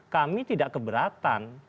kami tidak keberatan